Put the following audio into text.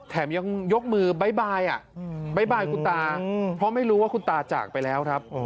ยังยกมือบ๊ายบายบ๊ายบายคุณตาเพราะไม่รู้ว่าคุณตาจากไปแล้วครับ